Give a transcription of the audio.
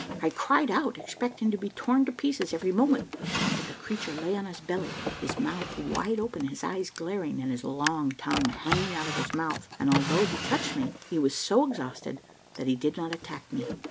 I cried out, expecting to be torn to pieces every moment; but the creature lay on his belly, his mouth wide open, his eyes glaring, and his long tongue hanging out of his mouth, and although he touched me, he was so exhausted that he did not attack me.